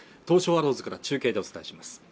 東証アローズから中継でお伝えします